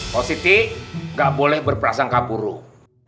pak siti enggak boleh berperasaan kaburuh